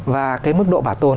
và cái mức độ bảo tồn